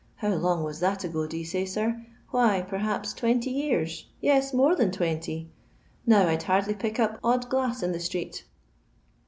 mg was that ago, do you say, sirl Why I twenty years; yes, more than twenty. 'd hardly pick up odd glass in the street."